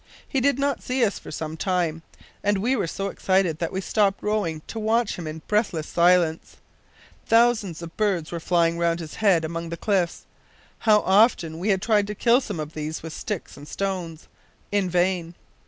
He did not see us for some time, and we were so excited that we stopped rowing to watch him in breathless silence. Thousands of birds were flying round his head among the cliffs. How often we had tried to kill some of these with sticks and stones, in vain!